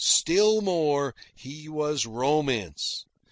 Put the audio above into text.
Still more, he was romance.